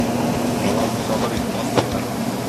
Балам, сабыр ит, атмый тор.